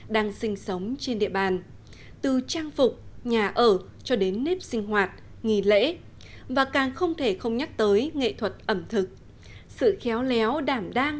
hãy đăng kí cho kênh lalaschool để không bỏ lỡ những video hấp dẫn